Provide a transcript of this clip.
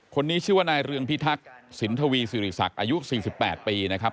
คนนี้ชื่อว่านายเรืองพิทักษิณทวีสิริศักดิ์อายุ๔๘ปีนะครับ